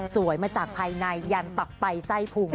สวยมาจากภายในยันตับไตไส้พุง